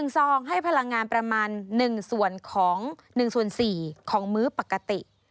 ซองให้พลังงานประมาณ๑ส่วนของ๑ส่วน๔ของมื้อปกติ